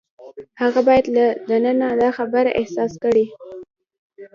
هغه باید له دننه دا خبره احساس کړي.